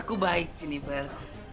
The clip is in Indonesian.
aku baik jennifer